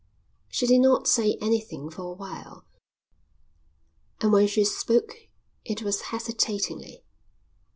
She did not say anything for a while, and when she spoke it was hesitatingly.